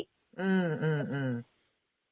อื้อ